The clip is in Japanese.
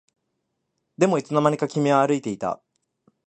でもいつの間にか君は歩いていた